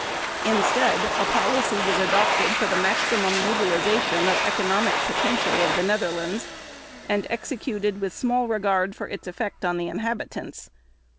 Instead, a policy was adopted for the maximum utilization of economic potential of the Netherlands, and executed with small regard for its effect on the inhabitants.